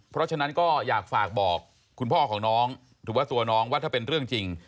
เพราะฉะนั้นก็อยากฝากบอกคุณพ่อของน้องหรือว่าตัวน้องว่าถ้าเป็นเรื่องจริง